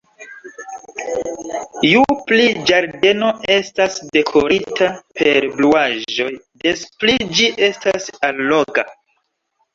Ju pli ĝardeno estas dekorita per bluaĵoj, des pli ĝi estas alloga.